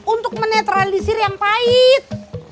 untuk menetralisir yang pahit